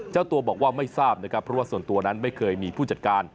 เจ้าตัวบอกว่าไม่ทราบนะครับเพราะว่าส่วนตัวนั้นไม่เคยมีผู้จัดการ